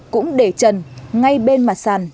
cũng để chần ngay bên mặt sàn